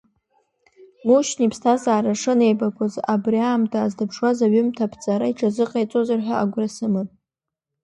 Мушьни иԥсҭазаара шынеибакәыз абри аамҭа аазырԥшуаз аҩымҭа аԥҵара иҽазыҟаиҵозар ҳәа агәра сымам.